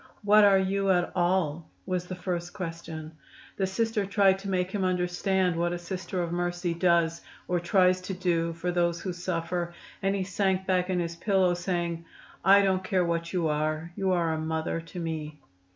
"What are you, at all?" was the first question. The Sister tried to make him understand what a Sister of Mercy does, or tries to do for those who suffer, and he sank back in his pillow, saying, "I don't care what you are; you are a mother to me."